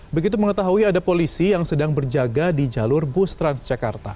begitu mengetahui ada polisi yang sedang berjaga di jalur bus transjakarta